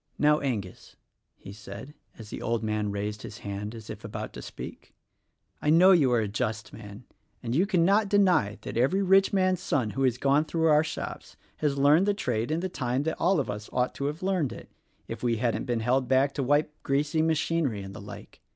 "Now, Angus," he said, as the old man raised his hand as if about to speak, "I know you are a just man, and you cannot deny that every rich man's son who has gone through our shops has learned the trade in the time that all of us ought to have learned it, if we hadn't been held back to wipe greasy machinery, and the like.